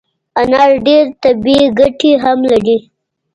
انار ډیري طبي ګټي هم لري